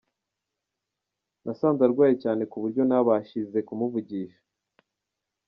Nasanze arwaye cyane kuburyo ntabashize kumuvugisha.